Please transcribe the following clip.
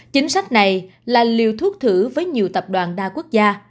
chính sách này là liều thuốc thử với nhiều tập đoàn đa quốc gia